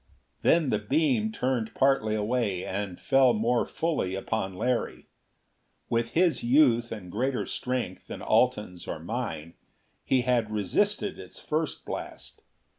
Then the beam turned partly away, and fell more fully upon Larry. With his youth and greater strength than Alten's or mine, he had resisted its first blast.